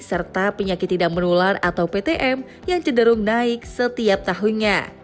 serta penyakit tidak menular atau ptm yang cenderung naik setiap tahunnya